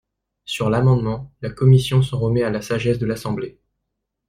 Sur l’amendement, la commission s’en remet à la sagesse de l’Assemblée.